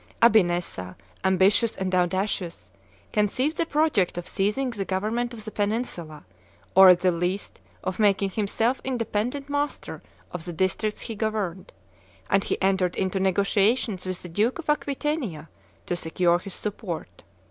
Abi Nessa, ambitious and audacious, conceived the project of seizing the government of the Peninsula, or at the least of making himself independent master of the districts he governed; and he entered into negotiations with the Duke of Aquitania to secure his support.